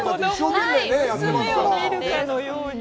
娘を見るかのように。